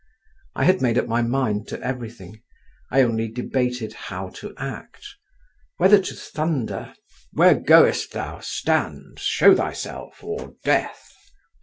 I had made up my mind to everything. I only debated how to act; whether to thunder, "Where goest thou? Stand! show thyself—or death!"